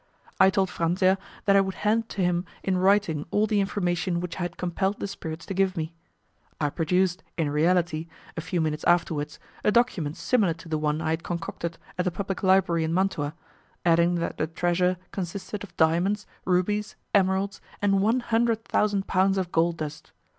I told Franzia that I would hand to him in writing all the information which I had compelled the spirits to give me. I produced, in reality, a few minutes afterwards, a document similar to the one I had concocted at the public library in Mantua, adding that the treasure consisted of diamonds, rubies, emeralds, and one hundred thousand pounds of gold dust.